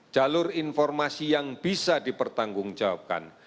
jalur informasi yang bisa dipertanggungjawabkan